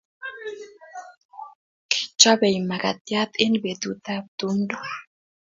Kichopei makatyat eng petutap tumto